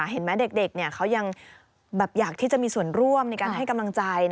เห็นไหมเด็กเขายังอยากที่จะมีส่วนร่วมในการให้กำลังใจ